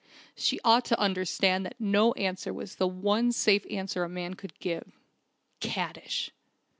She ought to understand that no answer was the one safe answer a man could give ... "Caddish!"